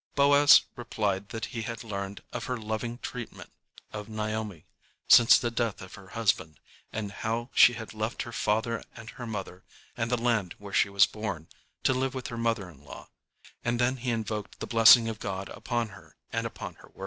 Boaz replied that he had learned of her loving treatment of Naomi, since the death of her husband, and how she had left her father and her mother, and the land where she was born, to live with her mother in law; and then he invoked the blessing of God upon her and upon her work.